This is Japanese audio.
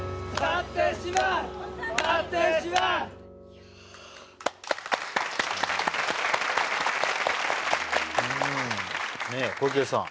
いやあうんねえ小池さん